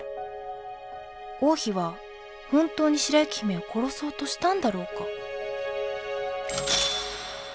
王妃は本当に白雪姫を殺そうとしたんだろうか。